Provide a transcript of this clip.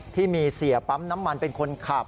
ที่มีเสียปั๊มน้ำมันเป็นคนขับ